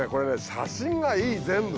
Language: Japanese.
写真がいい全部。